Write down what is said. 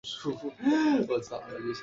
卒于午沟。